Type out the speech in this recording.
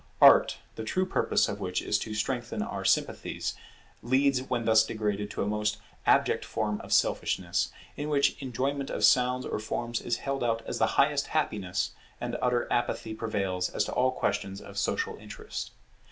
Art, the true purpose of which is to strengthen our sympathies, leads when thus degraded to a most abject form of selfishness; in which enjoyment of sounds or forms is held out as the highest happiness, and utter apathy prevails as to all questions of social interest.